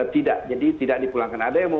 tidak jadi tidak dipulangkan